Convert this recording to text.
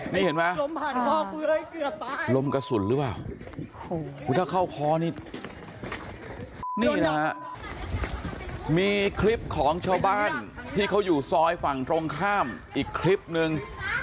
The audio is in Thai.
นี่เห็นไหมลมผ่านคอกูเลยลมกระสุนหรือเปล่าถ้าเข้าคอนี่นี่นะฮะมีคลิปของชาวบ้านที่เขาอยู่ซอยฝั่งตรงข้ามอีกคลิปนึง